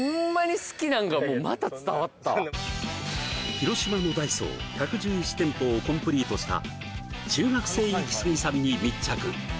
広島のダイソー１１１店舗をコンプリートした中学生イキスギさんに密着